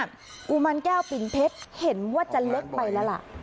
กุมารแก้วปิ่นเพชรเห็นว่าจะเล็กไปแล้วล่ะ